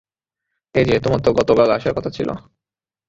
এইযে, তোমার তো গতকাল আসার কথা ছিল।